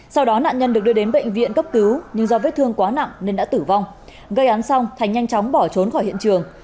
sau đó nạn nhân được đưa đến bệnh viện cấp cứu nhưng do vết thương quá nặng nên đã tử vong gây án xong thành nhanh chóng bỏ trốn khỏi hiện trường